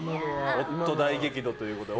夫、大激怒ということで。